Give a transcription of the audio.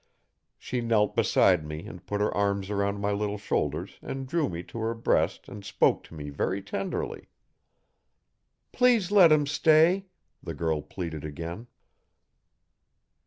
She knelt beside me and put her arms around my little shoulders and drew me to her breast and spoke to me very tenderly. 'Please let him stay,' the girl pleaded again.